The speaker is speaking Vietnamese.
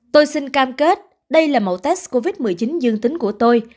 tôi xin cam kết đây là mẫu test covid một mươi chín dương tính của tôi